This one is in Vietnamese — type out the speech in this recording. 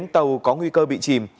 tàu có nguy cơ bị chìm